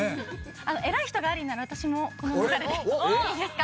偉い人がありなら私もこの流れでいいですか？